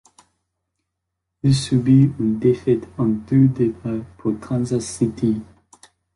Il subit une défaite en deux départs pour Kansas City.